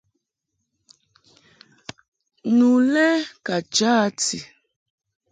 Nu lɛ ka cha a ti.